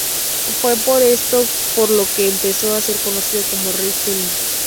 Fue por esto por lo que empezó a ser conocido como Rei Zulu.